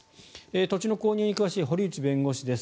土地の購入に詳しい堀内弁護士です。